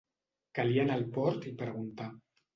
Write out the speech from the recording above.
Calia anar al port i preguntar.